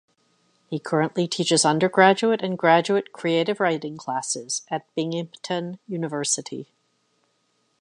He currently teaches undergraduate and graduate creative writing classes at Binghamton University.